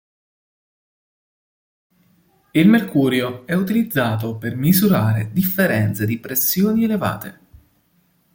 Il mercurio è utilizzato per misurare differenze di pressioni elevate.